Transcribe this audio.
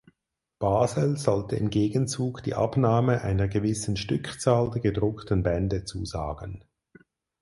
Basel sollte im Gegenzug die Abnahme einer gewissen Stückzahl der gedruckten Bände zusagen.